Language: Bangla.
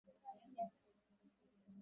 শুধু এখানে থাকো, ঠিক আছে?